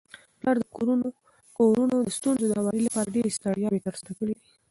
پلار د کورنيو د ستونزو د هواري لپاره ډيري ستړياوي تر سره کړي دي